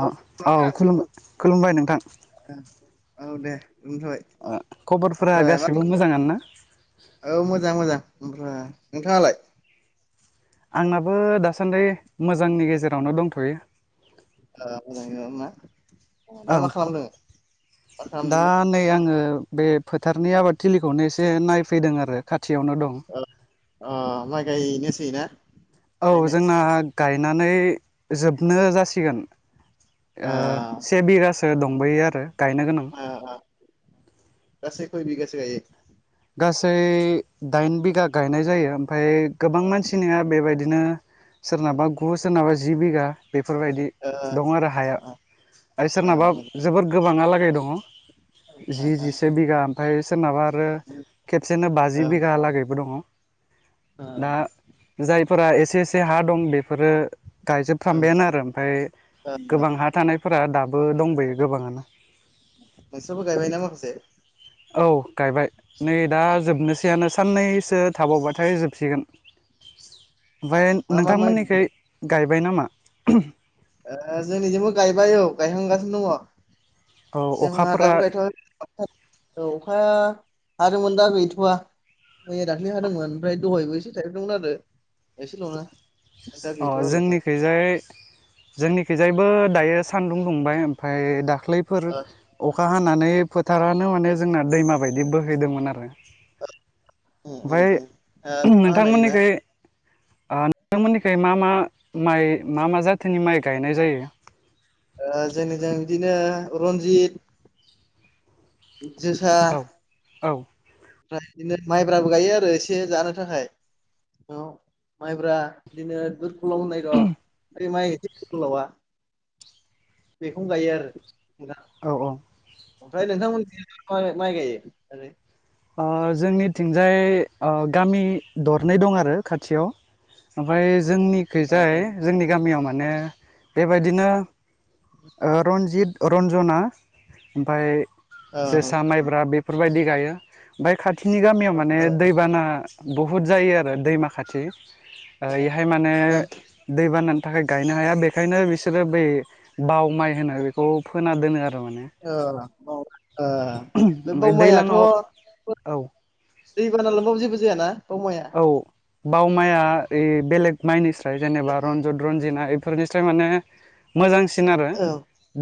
औ औ खुलुम खुलुमबाय नोंथां [unintelligible] खबरफोरा आमफ्राय मा गासिबो मोजाङानो ना औ मोजां मोजां बा नोंथाङालाय आंनाबो दासान्दि मोजांनि गेजेरावनो दंथ'यो ओ मोजाङै दं ना दा औ मा खालामदों मा दा खालामदों नै आङो बे फोथारनि आबादथिलिखौनो एसे नायफैदों आरो खा थियावनो दं ओ अ माइ गायनोसै ना औ गायनाय जोंना गायनानै जोबनो जासिगोन ओ से बिगासो दंबोयो आरो गायनो गोनां आ ओ गासै खय बिगासो गायो? गासै दाइन बिगा गायनाय जायो ओमफाय गोबां ओ मानसिनिया बेबायदि दिनो सोरनाबा गु सोरनाबा जि बिगा बेफोरबायदि ओ दं आरो ओ हाया आरो ओ सोरनाबा जोबोद गोबाङालागै दङ जि ओ जिसे बिगा आमफाय सोरनाबा आरो खेबसेनो ओ बाजि बिगालागैबो दङ दा जाय फोरा एसे एसे हा दं बेफोरो ओ गायजोबफ्रामबायानो आरो ओमफाय गोबां हा थानायफोरा दा बो दंबोयो गोबाङानो नोंस्राबो गायबाय ना माखासे औ गायबाय नै दा जोबनोसैयानो साननैसो थाबावबाथाय जोबसिगोन ओमफाय मा मा माइ नोंथांमोननिखै गायबाय नामा ओ जोंनिजोंबो गायबाय औ गायहांगासिनो दङ औ जोंहा अखाफोरा दाबो गायथ'वाखै [unintelligible] अखाया हादोंमोन दा गैथ'वा मैया दाख्लि हादोंमोन ओमफ्राय दहायबो इसे थाइफ्रिदोंमोन आरो एसेल'नो दा अ गैथ'वा र' अखा जोंनिखैजाय जोंनिखैजायबो दायो सानदुं दुंबाय ओमफाय दाख्लैफोर ओ अखा हानानै फोथारानो माने जोंना दैमा बायदि बोहैदोंमोन आरो उ उ ओमफ्राय उ अखा हानायजो ना नोंथांमोननिखै ओ नोंथांमोननिखाय मा मा माइ मा मा जाथोनि माइ गायनाय जायो ओ जोंनिजों बिदिनो रनजित जोसा औ औ ओमफ्राय बिदिनो माइब्राबो गायो आरो एसे जानो थाखाय औ माइब्रा बिदिनो दुरखलम होननाय दं ओ माइ गोलावा बेखौनो गायो आरो औ औ ओमफ्राय नोंथांमोननिथिं मा मा माइ गायो ओ जोंनिथिंजाय ओ गामि दरनै दं आरो खाथियाव ओमफाय औ जोंनिखैजाय औ जोंनि गामियाव माने बेबायदिनो ओ रन्जित रन्जना ओमफाय जोसा ओ माइब्रा बेफोरबायदि गायो ओमफ्राय खाथिनि गामियाव ओ माने ओ दैबाना बहुद जायो आरो दैमा खाथि ओ इहाय माने ओ दैबाना थाखाय गायनो हाया बेखायनो बिसोरो बै बाव माइ होनो बेखौ फोना दोनो आरो माने ओ औ ओ बे ओमफ्राय बाव माइयाथ' दैज्लाङाव औ दै बाना लोमबाबो जेबो जायाना बाव माइया? औ बाव माइया ओइ बेलेग माइनिस्राय जेनेबा रन्जत रनजिना इफोरनिस्राय माने मोजांसिन आरो ओ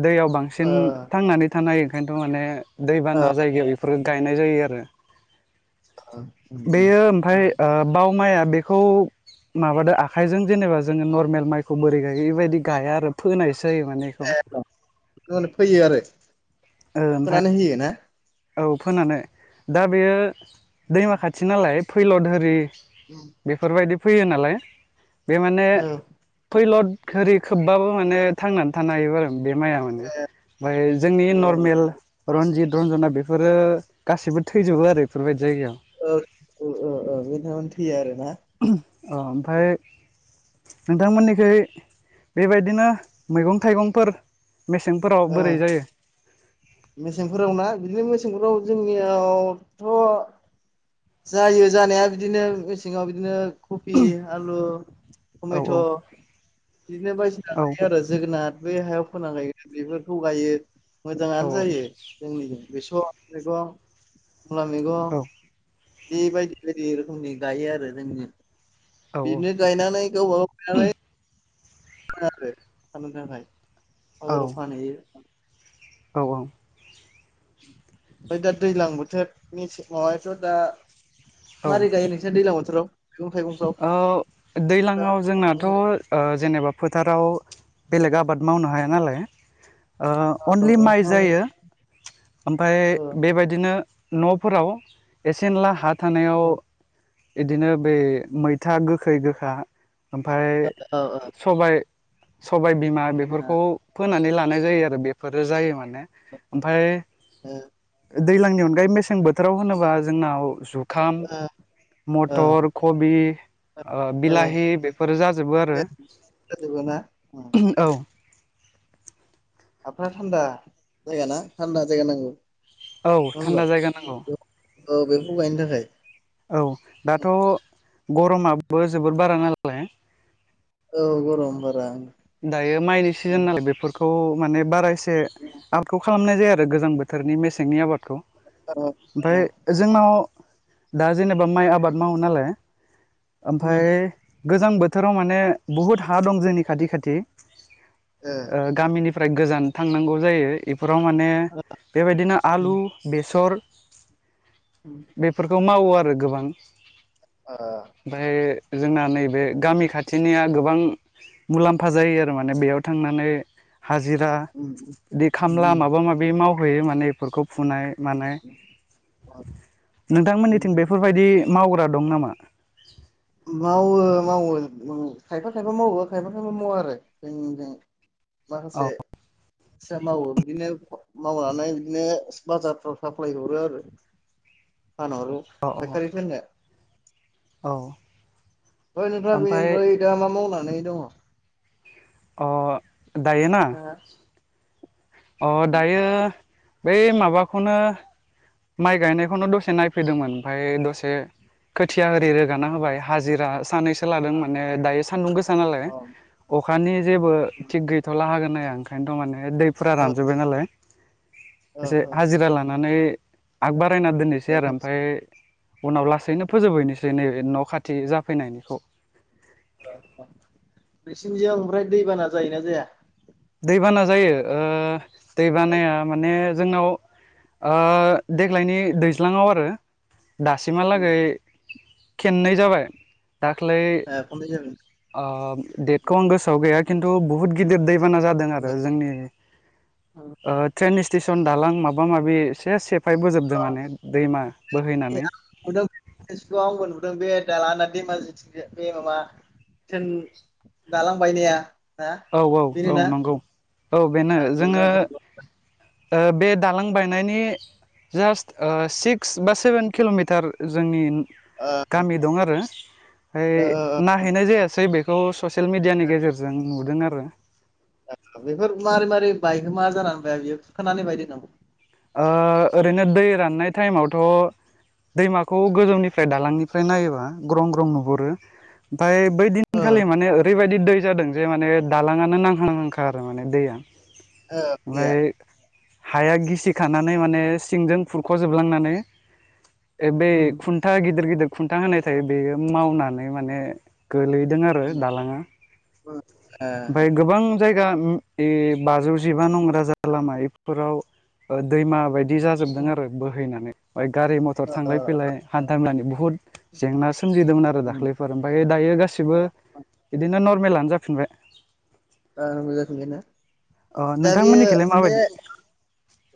दैयाव बांसिन थांनानै थानो हायो ओंखायनोथ' माने दैबाना जायगायाव बेफोरो गायनाय जायो आरो बेयो ओमफाय ओ [unintelligible] बाव माइया बेखौ माबादो आखाइजों जेनेबा जोङो नर्मेल माइखौ बोरै गायो इबायदि गाया आरो। फोनायसो जायो माने बेखौ [unintelligible] फोयो आरो। ओ ओमफाय फोनानै होयो ना? औ फोनानै दा बेयो दैमा खाथि नालाय फैल'द होरि बेफोरबायदि फैयो नालाय बे माने औ नंगौ फैल'द होरै खोबबाबो माने थांनानै थानो हायो बा बे माइआ माने मफ्राय जोंनि नर्मेल नंगौ रनजित रनजना बे फोरो गासैबो थैजोबो आरो बेफोरबायदि जायगायाव। औ औ औ औ बेदिनो थैया आरो ना अ ओमफाय नोंथांमोननिखै बेबायदिनो मैगं थाइगंफोर मेसेंफोराव ओ बोरै जायो? मेसेंफोराव ना बिदिनो मेसेंफोराव जोंनियावथ' जायो जानाया बिदिनो मेसेङाव बिदिनो कबि आलु टमेट' औ बिदिनो बायदिसिना औ गायो आरो जोगोनार बे हायाव फोनो [inaudible] बेफोरखौ गायो। मोजाङानो जायो औ जोंनिजों बेसर मैगं मुला औ मैगं बेबायदि बायदि रोखोमनि गायो आरो जोंनिजों। औ बिदिनो गायनानै गावबा गाव गायनानै आरो फाननो थाखाय बाजाराव फानहैयो। औ औ ओमफ्राय दा दैज्लां बोथोरनि सिगाङावहायथ' दा मारै गायो नोंसोर दैज्लां बोथोराव? मैगं थाइगंफ्राव ओ दा दैज्लाङाव जोंनाथ' मैगं ओ थाइगंफ्रा जेनेबा फोथाराव बेलेग आबाद मावनो हाया नालाय। ओ औ अनलि औ माइ मा बुङो जायो ओमफाय ओ बेबायदिनो न'फोराव एसे एनला हा थानायाव ओ इदिनो बे मैथा गोखै गोखा ओमफाय ओ सबाय सबाय बिमा बेफोरखौ फोनानै लानाय जायो आरो बेफोरो जायो माने ओमफाय औ दैज्लांनि अनगायै मेसें बोथोराव होनोबा जोंनाव जुखाम, ओ औ मथर, खबि बिलाहि बेफोर जाजोबो आरो। नंगौना? औ [unintelligible] थान्दा जायगा ना थान्दा जायगा नांगौ। औ नङा होमबा थान्दा जायगा नांगौ। औ बेफोरखौ गायनो थाखाय औ दाथ' गरमाबो जोबोर बारा नालाय औ गरम बारा दायो माइनि सिजोन उम नालाय बेफोर खौ माने बारा एसे आबादखौ खालामनाय जाया आरो गोजां बोथोरनि मेसेंनि आबादखौ। ओमफ्राय जोंनाव दा जेनेबा माइ आबाद मावो नालाय ओमफाय गोजां बोथोराव माने बहुत हा दं जोंनि खाथि खाथि ओ गामिनिफ्राय गोजान थांनांगौ जायो। इफोराव माने बेबायदिनो आलु, बेसर बेफोरखौ मावो आरो गोबां ओमफ्राय जोंना नैबे गामि खाथिनिया गोबां मुलाम फा जायो आरो माने बेयाव थांनानै हाजिरा बिदि खामला माबा माबि माव हैयो माने बेफोरखौ फुनाय मानाय नोंथांमोननिथिं बेफोरबायदि मावग्रा दं नामा? मावो मावो खायफा खायफा मावो खायफा खायफा मावा आरो जोंजों औ माखासे आसा मावो बिदिनो मावनानै बिदिनो बाजारफ्राव साप्लाय हरो आरो [inaudible] औ औ [inaudible] औ ओइ नोंथा ओमफाय बेनिफ्राय दा मा मावनानै दङ? अ दायोना? नोंथाङा अ दायो बै माबाखौनो माइ गायनायखौनो दसे नायफैदोंमोन ओमफ्राय दसे खोथिया आरि रोगाना होबाय हाजिरा सानैसो लादों अ माने दायो सानदुं गोसा नालाय अ अखानि जेबो थि गैथला हागोन हाया ओंखायनोथ' माने दैफोरा अ रानजोबबाय नालाय अ एसे अ हाजिरा लानानै आग बारायना दोननोसै आरो ओमफ्राय उनाव लासैनो फोजोबहैनोसै नैबे न' खाथि जाफैनायनिखौ नसिनिजोंयाव ओमफ्राय दैबाना जायोना जाया? दैबाना जायो ओ जायो। दैबानाया माने जोंनाव ओ देग्लायनि दैज्लाङाव आरो ओ दासिमहालागै खेननै जाबाय दाख्लै खननै ओ डेटखौ जाबाय आं गोसोयाव गैया खिनथु बुहुत गिदिर दैबाना जादों आरो जोंनि ट्रेन सि स्टेसन दालां माबा माबि एसे सेफ फाय बोजोबदों माने दैमा बोहैनानै गैया दाला होना दैमा जिथिं बे माबा थेन दालां बायनाया ना औ औ बेनो औ ना नंगौ औ बेनो जोङो नुदों फेसबुकाव ओ बे दालां बायनायनि जास्ट सिक्स बा सेभेन किल'मिटार जोंनि ओ गामि दं आरो फाय ओ नायहैनाय जायासै बेखौ ससियेल मिडियानि ओ गेजेरजों नुदों आरो बेफोर मारै मारै बायहोमा जानानै बियो खुरखानानै बायदों नामा? ओरैनो दै राननाय टाइमावथ' दैमाखौ गोजौनिफ्राय दालांनिफ्राय नायोबा ग्रं ग्रं नुहुरो ओम बै दिनखालि गैया माने ओरैबायदि दै जादों जे माने दालाङानो नांहां नांहांखा आरो माने दैया ओ बिया ओमफ्राय हाया गिसि खानानै माने सिंजों फुरख' जोबलांनानै बै उम खुनथा गिदिर गिदिर खुनथा होनाय थायो बे मावनानै माने गोलैदों आरो उम दालाङा ओ ओमफ्राय गोबां जायगा बाजौ जिबा नं राजा लामाफोराव दैमा बाय बिदि जाजोबदों आरो बोहैनानै ओमफ्राय गारि मथर ओ थांलाय ओ फैलाय हानथा मेलानि बुहुद जेंना सोमजिदोंमोन आरो ओ दाख्लैफोर ओमफ्राय दायो गासिबो बिदिनो नर मेलानो जाफिनबाय ओ मोजाखो [unintelligible] बे ना अ दा बेयो नोंथांमोननिखैलाय बे माबायदि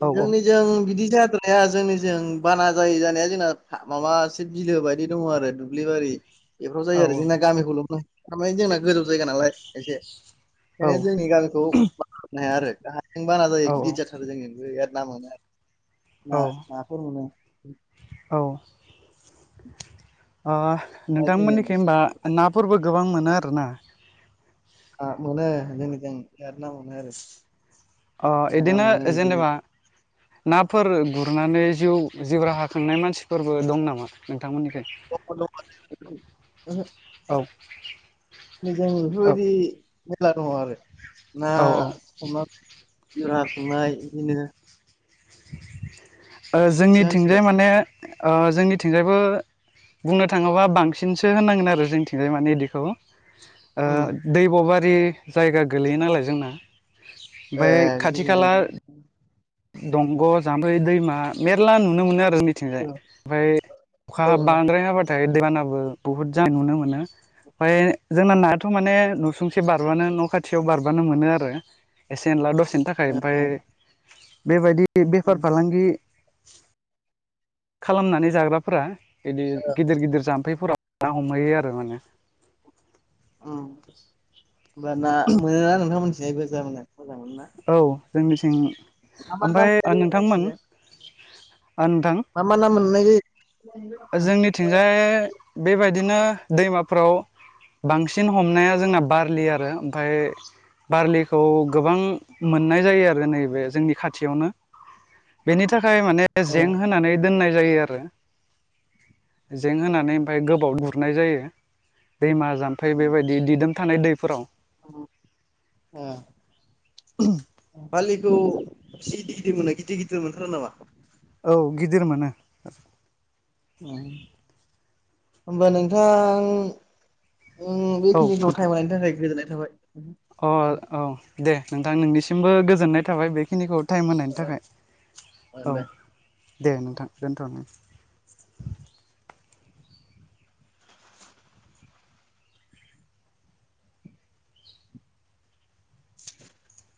औ जोंनिजों बिदि जाद्राया जोंनिजों जों बाना जायो जानाया जोंना माबासे बिलो बायदि दङ आरो दुब्लि बारि बेफोराव औ जायो आरो जोंना गामिखौ लबनाय थारमानि जोंना गोजौ जायगा नालाय एसे बेनियनो जोंनि गामिखौ बानानो हाया आरो गाहायजों बाना जायो औ गिदिर जाथारो जोंनि औ [unintelligible] औ [inaudible] ओ दा जोंजों नोंथांमोननिखै एसे होनबा नाफोरबो गोबां मोनो आरोना ओ मोनो जोंनिखै मने आरो अ मा ना इदिनो मोनो बिदिनो जेनेबा नाफोर गुरनानै जिउ जिउ राहा खांनाय मानसिफोरबो दं नामा नों [unintelligible] औ जों बेफोरबायदि मेरला दङ आरो ना औ औ ओ हमना जरा संनाय बिदिनो ओ खायसे मानसिफ्रा जोंनिथिंजाय माने ओ जोंनिथिंजायबो बुंनो थाङोबा बांसिनसो होनांगोन आरो जोंथिंजाय माने इदिखौ ओ उम दैब'बारि जायगा गोलैयो नालाय जोंना। ए ओमफाय बिदि खाथि खाला गोलैयोना दंग' जाम्फै दैमा मेरला नुनो मोनो आ जोंनि थिंजाय औ ओमफाय अखा ओ बांद्राय हाबाथाय दैबानाबो बुहुत जा नुनो मोनो। फाय जोंना नायाथ' माने नसुंसे बारबानो न' खाथियाव बारबानो मोनो आरो। एसे एनला दसेनि थाखाय ओ ओमफाय ओ बेबायदि बेफार ओम फालांगि खालामनानै जाग्राफोरा इदि गिदिर गिदिर जामफै फोराव ना हमहैयो आरो माने। औ होमबा ना मोनोना नोंथां मोनथिहायबो [unintelligible] मोजां मोनो ना? औ जोंनिथिं ओमफाय मोननाय ओ जायो नोंथांमोन नोंसिनिजों नोंथां मा मा ना मोननाय जायो? जोंनिथिंजाय बेबायदिनो दैमाफ्राव बांसिन हमनाया जोंना बारलि आरो ओमफाय बारलिखौ गोबां मोननाय जायो आरो नैबे जोंनि खाथियावनो। बेनि थाखाय माने औ जें होनानै दोननाय जायो आरो। जें होनानै ओमफाय गोबाव गुर नाय जायो दैमा जाम्फै बेबायदि दिदोम थानाय दैफोराव। अ ओ बारलिखौ [unintelligible] दिर मोनो गिदिर गिदिर मोनथारो नामा? औ गिदिर मोनो। अ होमबा नोंथां उम औ बेखिनिखौ नोंथां टाइम होनायनि थाखाय गोजोननाय थाबाय। अ ओ औ दे नोंथां नोंनिसिमबो गोजोननाय थाबाय बेखिनिखौ टाइम होनायनि ओ थाखाय ओ औ। दे दे नोंथां दोनथ'नो [inaudible]